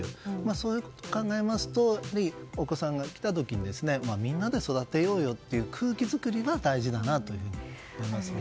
そう考えるとお子さんが来た時にみんなで育てようよという空気づくりは大事だなと思いますね。